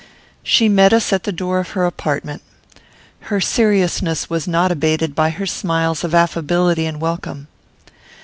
She met us at the door of her apartment. Her seriousness was not abated by her smiles of affability and welcome.